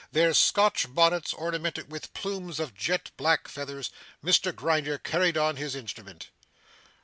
Their Scotch bonnets, ornamented with plumes of jet black feathers, Mr Grinder carried on his instrument.